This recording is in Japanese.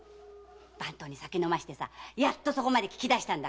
番頭に酒飲ませてやっとそこまで聞きだしたんだから。